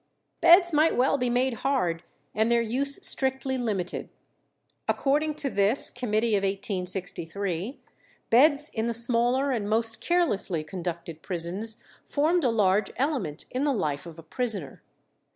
Beds might well be made hard and their use strictly limited. According to this committee of 1863, beds in the smaller and most carelessly conducted prisons formed a large element in the life of a prisoner.